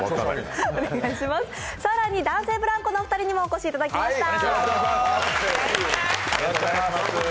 更に、男性ブランコのお二人にもお越しいただきました。